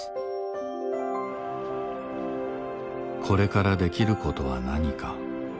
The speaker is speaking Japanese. これからできることは何か。